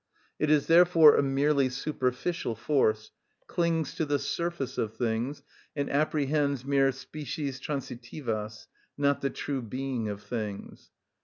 It is therefore a merely superficial force, clings to the surface of things, and apprehends mere species transitivas, not the true being of things.